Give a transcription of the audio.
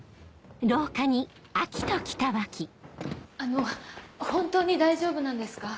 あのホントに大丈夫なんですか？